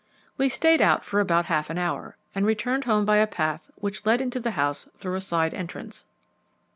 We stayed out for about half an hour and returned home by a path which led into the house through a side entrance.